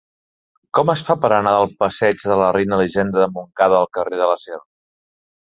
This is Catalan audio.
Com es fa per anar del passeig de la Reina Elisenda de Montcada al carrer de l'Acer?